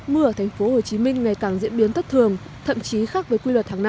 mưa ở tp hcm ngày càng diễn biến thất thường thậm chí khác với quy luật hàng năm